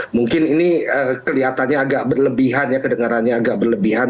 mungkin ini kelihatannya agak berlebihan ya kedengarannya agak berlebihan